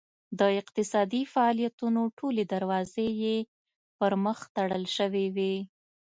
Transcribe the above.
د اقتصادي فعالیتونو ټولې دروازې یې پرمخ تړل شوې وې.